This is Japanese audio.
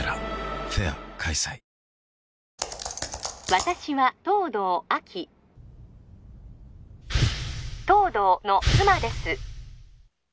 私は東堂亜希東堂の妻です